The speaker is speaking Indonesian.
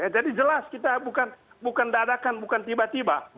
jadi jelas kita bukan dadakan bukan tiba tiba